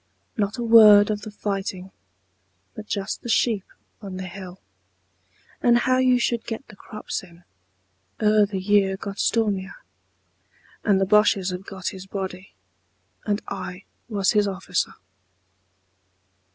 Not a word of the fighting But just the sheep on the hill And how you should get the crops in Ere the year got stormier, 40 And the Bosches have got his body. And I was his officer.